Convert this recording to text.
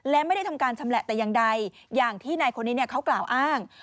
และไม่ได้ทำการชำแหละแต่อย่างใดอย่างที่นายคนนี้เขากล่าวอ้าง